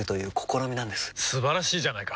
素晴らしいじゃないか！